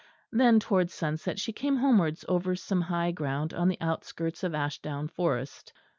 Then towards sunset she came homewards over some high ground on the outskirts of Ashdown Forest.